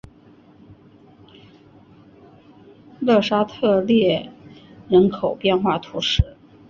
勒沙特列人口变化图示